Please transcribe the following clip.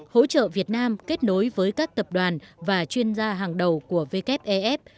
hỗ trợ việt nam kết nối với các tập đoàn và chuyên gia hàng đầu của wf ef